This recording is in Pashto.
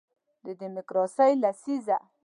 د دیموکراسۍ لسیزه